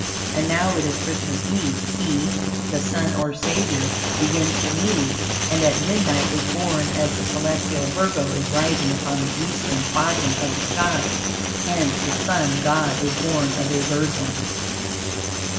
And now it is Christmas Eve. He (the Sun or Savior) begins to move, and at midnight is born as the celestial Virgo is rising upon the Eastern quadrant of the skies; hence the Sun God is born of a Virgin.